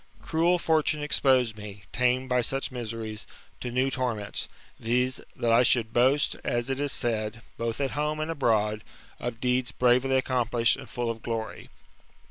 Cruel fortune exposed me, tamed by such miseries, to new torments : viz. that I should boast, as it is said, both at home and abroad, of deeds bravely accomplished, and full of glory.